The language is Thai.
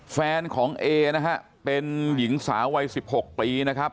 แฟนของเอนะฮะเป็นหญิงสาววัย๑๖ปีนะครับ